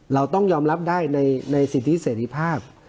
เราต้องยอมรับได้ในสิทธิเสรีภาพ